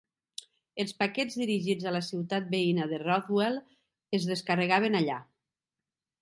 Els paquets dirigits a la ciutat veïna de Rothwell es descarregaven allà.